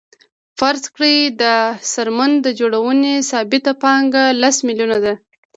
فرض کړئ د څرمن جوړونې ثابته پانګه لس میلیونه ده